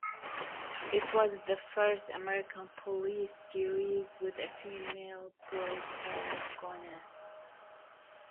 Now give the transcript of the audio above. It was the first American police series with a female protagonist.